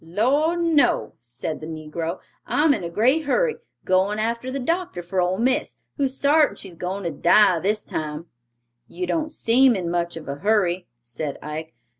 "Lord, no," said the negro; "I'm in a great hurry; goin' arter the doctor for ole miss, who's sartin she's goin' for to die this time." "You don't seem in much of a hurry," said Ike.